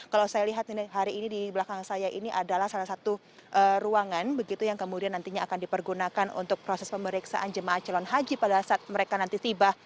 kalau saya lihat hari ini di belakang saya ini adalah salah satu ruangan begitu yang kemudian nantinya akan dipergunakan untuk proses pemeriksaan jemaah calon haji pada saat mereka nanti tiba